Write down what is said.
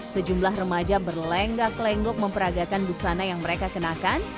sejumlah remaja berlenggak lenggok memperagakan busana yang mereka kenakan